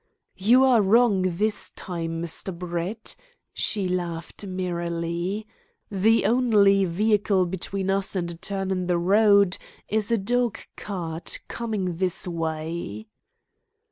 "You are wrong this time, Mr. Brett," she laughed merrily. "The only vehicle between us and a turn in the road is a dog cart coming this way."